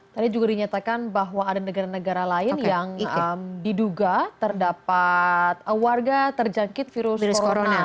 tadi juga dinyatakan bahwa ada negara negara lain yang diduga terdapat warga terjangkit virus corona